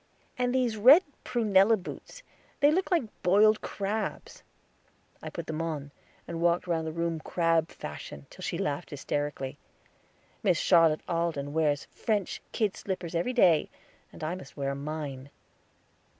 "And these red prunella boots they look like boiled crabs." I put them on, and walked round the room crab fashion, till she laughed hysterically. "Miss Charlotte Alden wears French kid slippers every day, and I must wear mine."